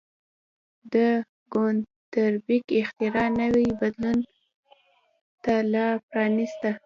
د ګوتنبرګ اختراع نوي بدلون ته لار پرانېسته.